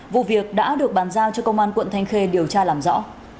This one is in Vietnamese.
vụ việc đã được bàn giao cho công an quận thanh khê điều tra làm rõ